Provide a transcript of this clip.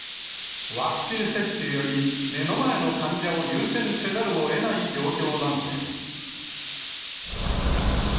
ワクチン接種より、目の前の患者を優先せざるをえない状況なのです。